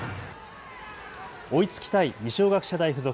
追いつきたい二松学舎大付属。